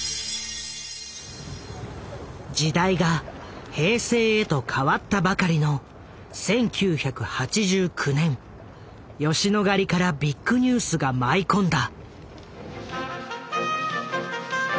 時代が「平成」へと変わったばかりの１９８９年吉野ヶ里からビッグニュースが舞い込んだ。